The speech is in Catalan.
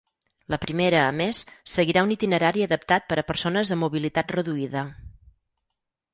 La primera, a més, seguirà un itinerari adaptat per a persones amb mobilitat reduïda.